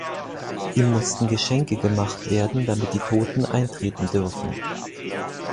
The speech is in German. Ihm mussten Geschenke gemacht werden, damit die Toten eintreten dürfen.